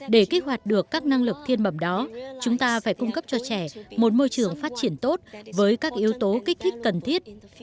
để kích hoạt được các năng lực thiên bẩm đó chúng ta phải cung cấp cho trẻ một môi trường phát triển tốt với các yếu tố kích thích cần thiết